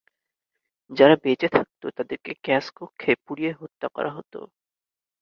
যারা বেঁচে থাকত তাদেরকে গ্যাস কক্ষে পুড়িয়ে হত্যা করা হত।